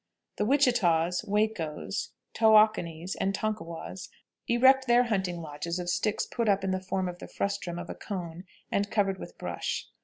The Witchetaws, Wacos, Towackanies, and Tonkowas erect their hunting lodges of sticks put up in the form of the frustum of a cone and covered with brush.